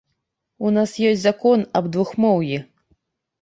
У нас ёсць закон аб двухмоўі.